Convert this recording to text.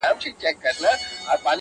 دا سړی څوک وو چي ژړا يې کړم خندا يې کړم,